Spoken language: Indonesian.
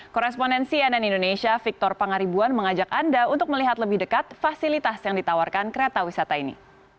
korespondensi ann indonesia victor pangaribuan mengajak anda untuk melihat lebih dekat fasilitas yang ditawarkan kereta wisata ini